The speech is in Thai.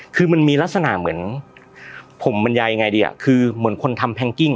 คือมันมีลักษณะเหมือนผมบรรยายยังไงดีอ่ะคือเหมือนคนทำแพงกิ้ง